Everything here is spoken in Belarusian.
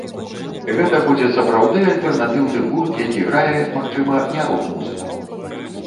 Гэта будзе сапраўды альтэрнатыўны гурт, які грае, магчыма, не рок-музыку.